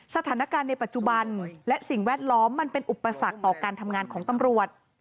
สถานการณ์ในปัจจุบันและสิ่งแวดล้อมมันเป็นอุปสรรคต่อการทำงานของตำรวจ